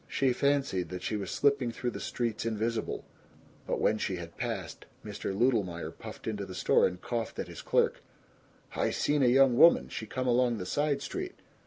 She fancied that she was slipping through the streets invisible; but when she had passed, Mr. Ludelmeyer puffed into the store and coughed at his clerk, "I seen a young woman, she come along the side street.